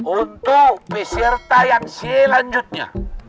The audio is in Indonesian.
untuk peserta yang selanjutnya